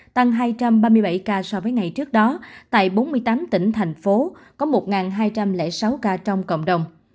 tăng hai trăm ba mươi bảy ca so với ngày trước đó tại bốn mươi tám tỉnh thành phố có một hai trăm linh sáu ca trong cộng đồng